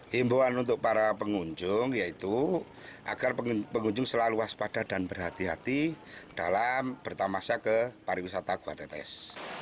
himbawan untuk para pengunjung yaitu agar pengunjung selalu waspada dan berhati hati dalam bertamasa ke pariwisata gua tetes